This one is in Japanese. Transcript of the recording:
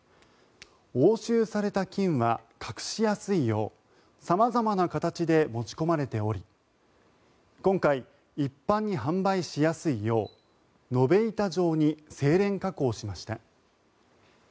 押収された金は隠しやすいよう様々な形で持ち込まれており今回、一般に販売しやすいよう延べ板状に精錬加工しました。